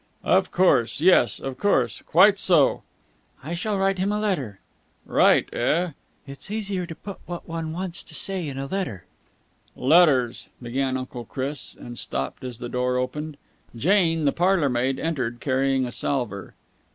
"Of course, yes, of course. Quite so." "I shall write him a letter." "Write, eh?" "It's easier to put what one wants to say in a letter." "Letters," began Uncle Chris, and stopped as the door opened. Jane, the parlourmaid, entered, carrying a salver.